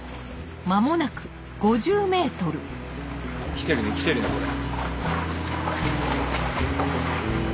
きてるねきてるねこれ。